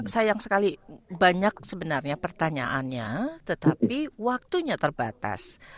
sayang sekali banyak sebenarnya pertanyaannya tetapi waktunya terbatas